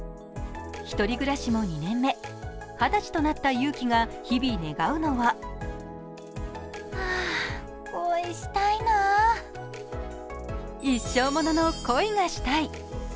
１人暮らしも２年目、二十歳となった優貴が日々、願うのは一生ものの恋がしたい。